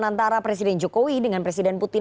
antara presiden jokowi dengan presiden putin